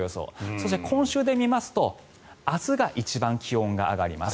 そして今週で見ますと明日が一番気温が上がります。